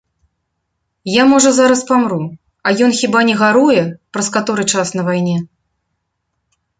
Я, можа, зараз памру, а ён хіба не гаруе, праз каторы час на вайне?!